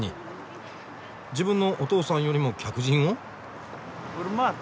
自分のお父さんよりも客人を？